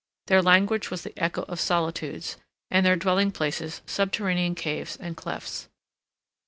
Their language was the echo of solitudes, and their dwelling places subterranean caves and clefts.